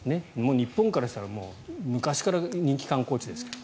日本からしたら昔から人気観光地ですが。